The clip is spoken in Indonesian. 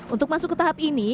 untuk masuk ke tahap ini